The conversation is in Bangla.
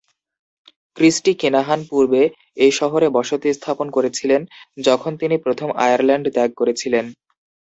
ক্রিস্টি কিনাহান পূর্বে এই শহরে বসতি স্থাপন করেছিলেন যখন তিনি প্রথম আয়ারল্যান্ড ত্যাগ করেছিলেন।